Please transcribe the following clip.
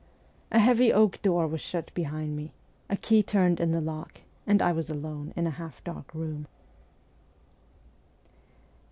A heavy oak door was shut behind me, a key turned in the lock, and I was alone in a half dark room.